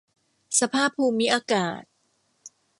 สภาพภูมิอากาศ